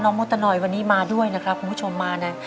มดตนอยวันนี้มาด้วยนะครับคุณผู้ชมมานะ